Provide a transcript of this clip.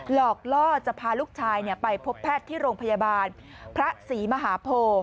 หลอกล่อจะพาลูกชายไปพบแพทย์ที่โรงพยาบาลพระศรีมหาโพ